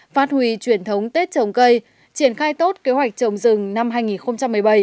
phát huy truyền thống tết trồng cây triển khai tốt kế hoạch trồng rừng năm hai nghìn một mươi bảy